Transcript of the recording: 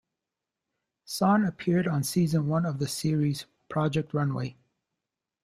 Saun appeared on Season One of the series, "Project Runway".